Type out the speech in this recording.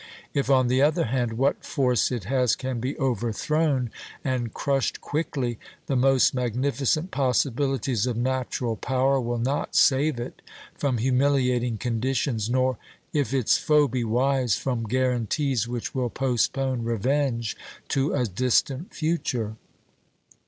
If, on the other hand, what force it has can be overthrown and crushed quickly, the most magnificent possibilities of natural power will not save it from humiliating conditions, nor, if its foe be wise, from guarantees which will postpone revenge to a distant future.